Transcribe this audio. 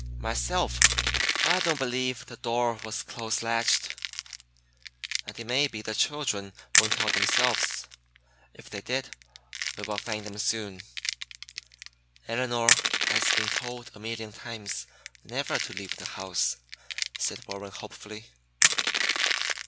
Myself, I don't believe the door was close latched, and it may be the children went out themselves. If they did we will find them soon." "Elinor has been told a million times never to leave the house," said Warren hopefully.